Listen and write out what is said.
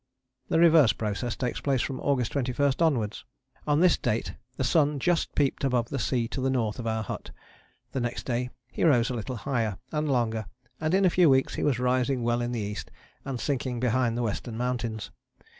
The reverse process takes place from August 21 onwards. On this date the sun just peeped above the sea to the north of our hut. The next day he rose a little higher and longer, and in a few weeks he was rising well in the east and sinking behind the Western Mountains.